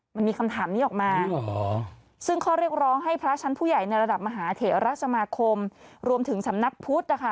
มันมีคำถามนี้ออกมาซึ่งข้อเรียกร้องให้พระชั้นผู้ใหญ่ในระดับมหาเถระสมาคมรวมถึงสำนักพุทธนะคะ